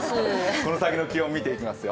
この先の気温を見ていきますよ。